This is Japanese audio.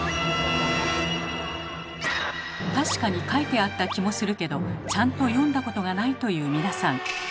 確かに書いてあった気もするけどちゃんと読んだことがないという皆さん。